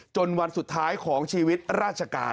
วันสุดท้ายของชีวิตราชการ